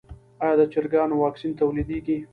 آیا د چرګانو واکسین تولیدیږي؟